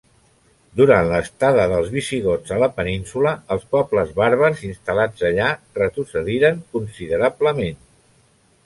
Durant l'estada dels visigots a la península, els pobles bàrbars instal·lats allà retrocediren considerablement.